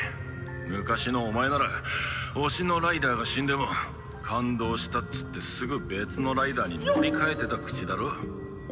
昔のお前なら推しのライダーが死んでも感動したっつってすぐ別のライダーに乗り換えてた口だろ。